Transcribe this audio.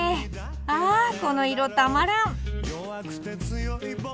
あこの色たまらん！